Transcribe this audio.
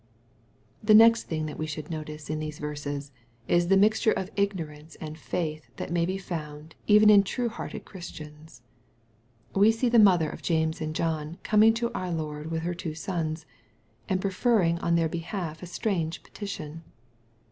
The next thing that we should notice in these verses, 18 the mixture of ignorance and/aith that may he founds even in true hearted Christians, We see the mother of James and John coming to our Lord with her two sons, and preferring on their hehalf a strange petition.